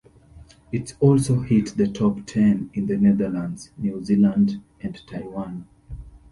It also hit the top ten in the Netherlands, New Zealand and Taiwan.